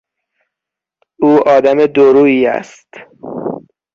او آدم دورویی است.